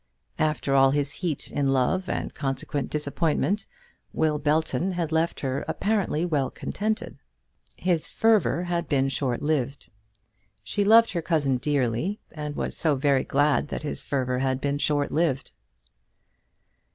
After all his heat in love and consequent disappointment, Will Belton had left her apparently well contented. His fervour had been short lived. She loved her cousin dearly, and was so very glad that his fervour had been short lived!